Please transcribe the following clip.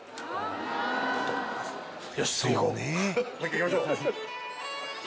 行きましょう。